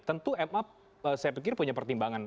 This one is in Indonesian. tentu ma saya pikir punya pertimbangan